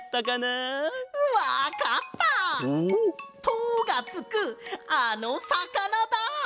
「と」がつくあのさかなだ！